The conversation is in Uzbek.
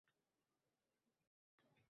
Ortda kelayotgan erimning ko`ksiga o`zimni otdim